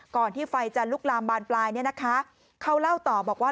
ที่ไฟจะลุกลามบานปลายเนี่ยนะคะเขาเล่าต่อบอกว่า